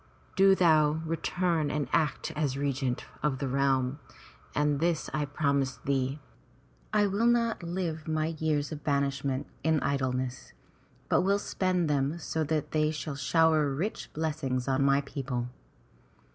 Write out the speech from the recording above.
Do thou return and act as regent of the realm, and this I promise thee — I will not live my years of banishment in idleness, but will spend them so that they shall shower rich blessings on my people.'